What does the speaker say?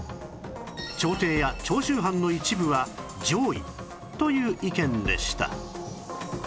朝廷や長州藩の一部は攘夷という意見でした